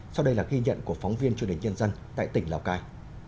sau đây là ghi nhận của phóng viên truyền hình nhân dân tại tỉnh lào cai